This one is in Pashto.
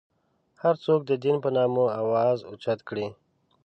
هر څوک د دین په نامه اواز اوچت کړي.